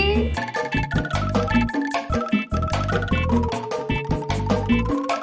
saya akan pergi lagi